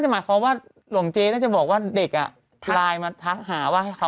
เพราะว่าหลวงเจน่าจะบอกว่าเด็กอ่ะลายมาทักหาว่าให้เขา